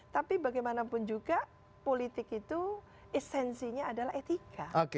tapi bagaimanapun juga politik itu esensinya adalah etika